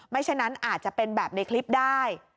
ฉะนั้นอาจจะเป็นแบบในคลิปได้